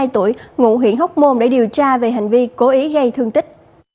bốn mươi hai tuổi ngụ huyện hóc môn để điều tra về hành vi cố ý gây thương tích